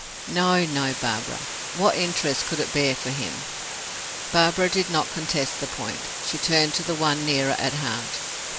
"No, no, Barbara. What interest could it bear for him?" Barbara did not contest the point; she turned to the one nearer at heart.